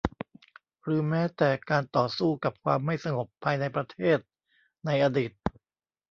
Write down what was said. หรือแม้แต่การต่อสู้กับความไม่สงบภายในประเทศในอดีต